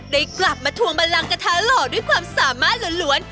ได้กลับมาทวงบันลังกระทะหล่อด้วยความสามารถล้วน